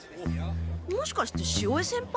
もしかして潮江先輩？